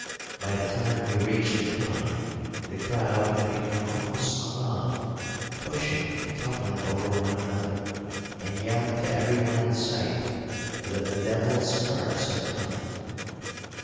By the time we reached the khan the crowd had become almost a mob, pushing and tumbling over one another, and yelling to every one in sight that "the devil's carts have come."